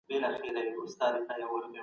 زه د خپلو ژمنو وفا کونکی یم.